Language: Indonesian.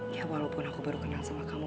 ya walaupun aku baru kenal sama kamu